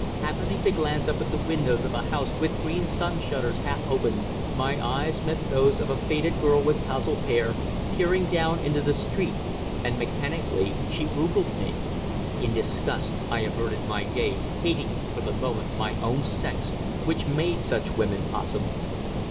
Happening to glance up at the windows of a house with green sun shutters half open, my eyes met those of a faded girl with touzled hair, peering down into the street, and mechanically she ogled me. In disgust I averted my gaze, hating, for the moment, my own sex, which made such women possible.